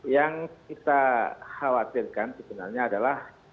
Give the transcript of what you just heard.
yang kita khawatirkan sebenarnya adalah